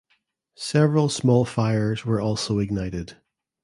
Several small fires were also ignited.